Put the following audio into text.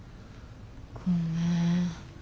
ごめん。